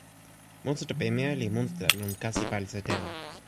monsuta pimeja li monsuta lon kasi palisa telo.